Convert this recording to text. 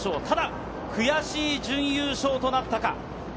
ただ、悔しい準優勝となったか。